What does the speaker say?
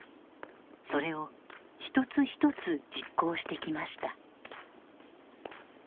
それを一つ一つ実行してきました。